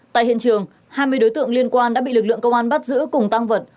tại hiện trường hai mươi đối tượng liên quan đã bị lực lượng công an bắt giữ cùng tăng vật